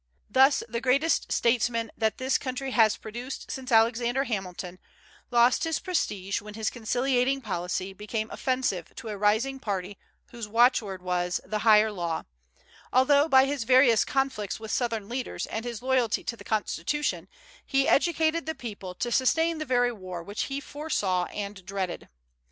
Thus the greatest statesman that this country has produced since Alexander Hamilton, lost his prestige when his conciliating policy became offensive to a rising party whose watchword was "the higher law," although, by his various conflicts with Southern leaders and his loyalty to the Constitution, he educated the people to sustain the very war which he foresaw and dreaded.